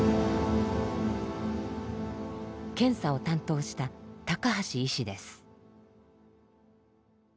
検査を担当した高橋医師です。